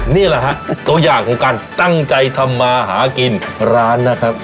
นี่แหละฮะตัวอย่างของการตั้งใจทำมาหากินร้านนะครับ